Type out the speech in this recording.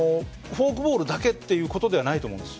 フォークボールだけっていう事ではないと思うんです。